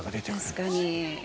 確かに。